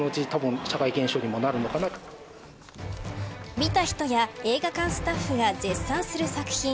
見た人や映画館スタッフが絶賛する作品。